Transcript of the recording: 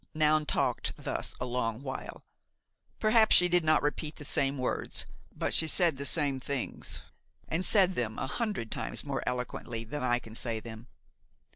Noun talked thus a long while. Perhaps she did not repeat the same words, but she said the same things, and said them a hundred times more eloquently than I can say them.